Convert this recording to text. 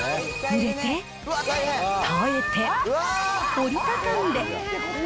ぬれて、耐えて、折り畳んで。